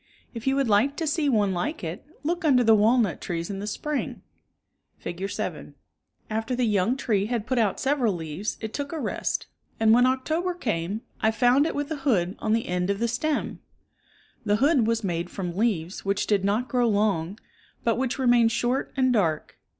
If you would like to see one like it, look under the walnut trees in the spring (Fig. 7). After the young tree had put out several leaves it took a rest, and when October came, I found it with a hood on the end of the stem. The hood was made from leaves which did not grow long, but which remained short and dark.